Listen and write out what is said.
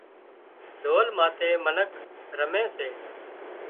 ڍول ماٿي منک رمي سي